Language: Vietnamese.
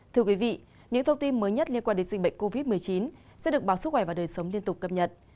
thưa quý vị những thông tin mới nhất liên quan đến dịch bệnh covid một mươi chín sẽ được báo sức khỏe và đời sống liên tục cập nhật